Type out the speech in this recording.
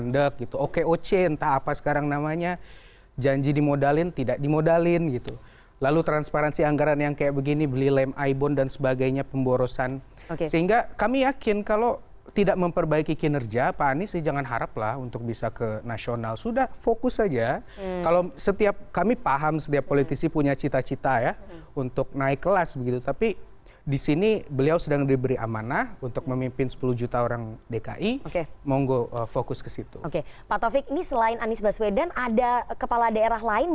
di dalam konteks nasdem